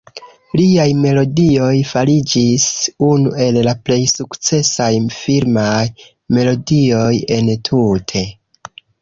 Liaj melodioj fariĝis unu el la plej sukcesaj filmaj melodioj entute.